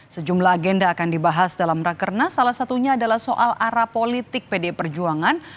sejumlah agenda akan dibahas dalam rakernas salah satunya adalah soal arah politik pdi perjuangan